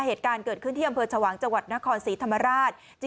เหตุการณ์เกิดขึ้นที่อำเภอชวางจังหวัดนครศรีธรรมราช